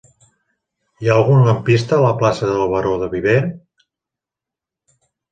Hi ha algun lampista a la plaça del Baró de Viver?